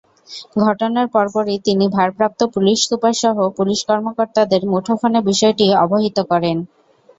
ঘটনার পরপরই তিনি ভারপ্রাপ্ত পুলিশ সুপারসহ পুলিশ কর্মকর্তাদের মুঠোফোনে বিষয়টি অবহিত করেন।